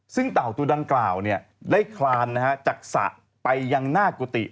ซึ่งเต่าตัวดังกล่าวได้คลานจากสระไปยังหน้ากุฏิ